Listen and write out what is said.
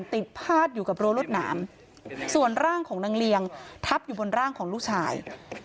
พาดอยู่กับรั้วรวดหนามส่วนร่างของนางเลียงทับอยู่บนร่างของลูกชาย